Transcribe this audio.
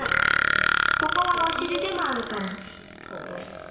ここはおしりでもあるから。